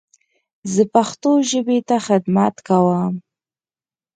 زه پښتو ژبې ته خدمت کوم.